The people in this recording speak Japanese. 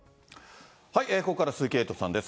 ここから鈴木エイトさんです。